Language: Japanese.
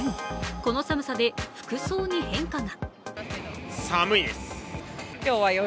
この寒さで服装に変化が。